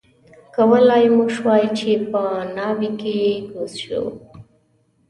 کولای مو شوای چې په ناوې کې کوز شو.